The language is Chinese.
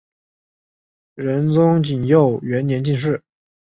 仁宗景佑元年进士。